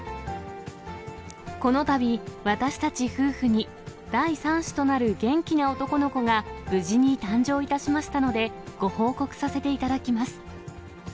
このたび、私たち夫婦に、第３子となる元気な男の子が無事に誕生いたしましたので、ご報告させていただきます。